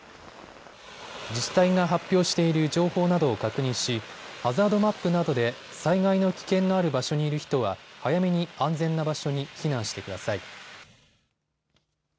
自治体が発表している情報などを確認しハザードマップなどで災害の危険のある場所にいる人は早めに安全な場所に避難してください。